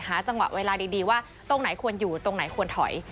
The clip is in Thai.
จังหวะเวลาดีว่าตรงไหนควรอยู่ตรงไหนควรถอย